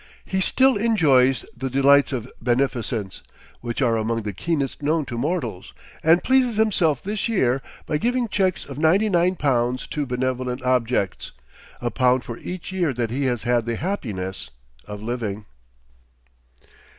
He still enjoys the delights of beneficence, which are among the keenest known to mortals, and pleases himself this year by giving checks of ninety nine pounds to benevolent objects, a pound for each year that he has had the happiness of living.